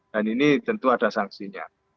dan ini tentu ada sanksinya